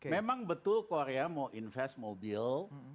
memang betul korea mau invest mobil